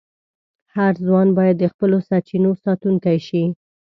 هر ځوان باید د خپلو سرچینو ساتونکی شي.